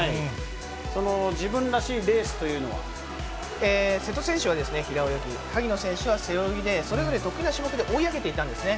その自分らしいレースという瀬戸選手は平泳ぎ、萩野選手は背泳ぎで、それぞれ得意な種目で追い上げていたんですね。